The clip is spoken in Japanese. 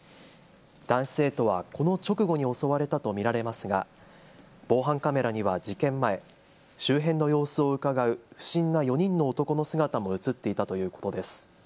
男子生徒はこの直後に襲われたと見られますが防犯カメラには事件前周辺の様子をうかがう不審な４人の男の姿も写っていたということです。